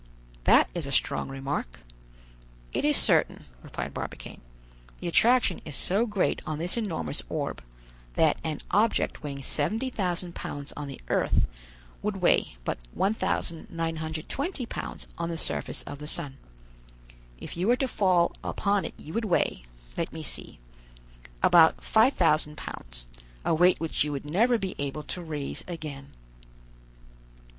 "That is a strong remark." "It is certain," replied Barbicane; "the attraction is so great on this enormous orb, that an object weighing 70,000 pounds on the earth would weigh but 1,920 pounds on the surface of the sun. If you were to fall upon it you would weigh—let me see—about 5,000 pounds, a weight which you would never be able to raise again."